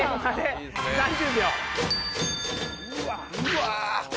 うわ。